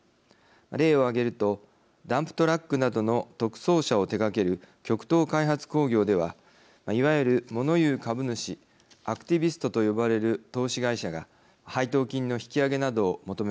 例を挙げるとダンプトラックなどの特装車を手がける極東開発工業ではいわゆるもの言う株主アクティビストと呼ばれる投資会社が配当金の引き上げなどを求めました。